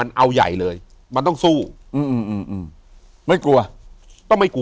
อยู่ที่แม่ศรีวิรัยิลครับ